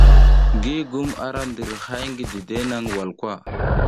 Gigum ara ndir hay ngi dide nang walkwa.